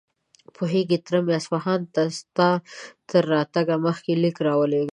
پوهېږې، تره مې اصفهان ته ستا تر راتګ مخکې ليک راولېږه.